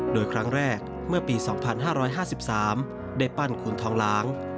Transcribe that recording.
โดยครั้งแรกเมื่อปี๒๕๕๓ได้ปั้นคูณทองหลาง